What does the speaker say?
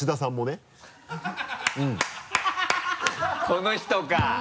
この人か！